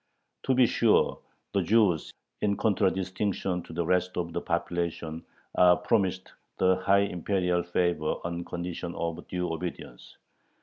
To be sure, the Jews, in contradistinction to the rest of the population, are promised the high Imperial favor on condition of "due obedience."